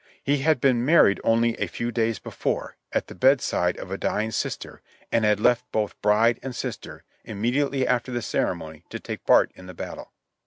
He had been married only a few days before, at the bedside of a dying sister, and had left both bride and sister, im mediately after the ceremony, to take part in the battle.